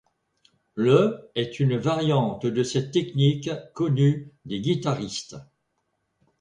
Le est une variante de cette technique connue des guitaristes.